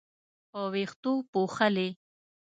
په وېښتو پوښلې